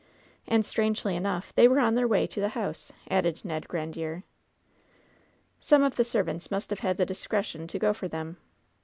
"And strangely enough, they were on their, way to the house," added Ned Grandiere. "Some of the servants must have had the discretion to go for them.